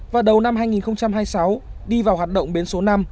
và đầu năm hai nghìn hai mươi sáu đi vào hoạt động bến số năm